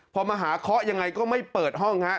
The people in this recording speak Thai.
พอมาหาเคาะยังไงก็ไม่เปิดห้องฮะ